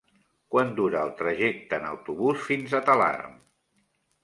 Quant dura el trajecte en autobús fins a Talarn?